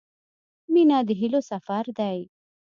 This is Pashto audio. • مینه د هیلو سفر دی.